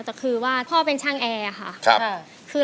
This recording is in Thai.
แต่คือว่าพ่อเป็นช่างแอร์ค่ะ